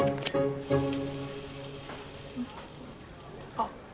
あっ。